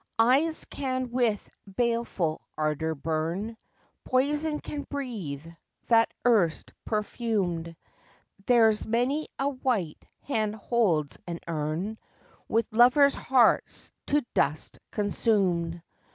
Eyes can with baleful ardour burn; Poison can breathe, that erst perfumed; There's many a white hand holds an urn With lovers' hearts to dust consumed.